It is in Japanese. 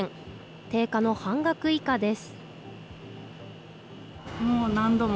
定価の半額以下です。